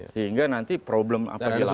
sehingga nanti problem apa di lapangan itu kami